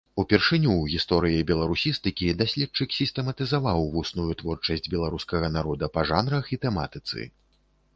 Упершыню ў гісторыі беларусістыкі даследчык сістэматызаваў вусную творчасць беларускага народа па жанрах і тэматыцы.